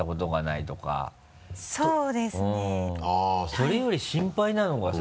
それより心配なのがさ